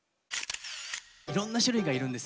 いろんな種類がいるんですよ。